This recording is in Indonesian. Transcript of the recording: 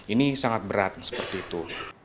ini sangat berat seperti itu